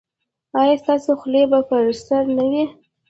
ایا ستاسو خولۍ به پر سر نه وي؟